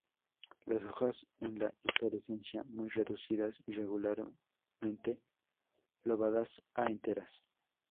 Las hojas en la inflorescencia muy reducidas, irregularmente lobadas a enteras.